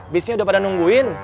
bisnya udah pada nungguin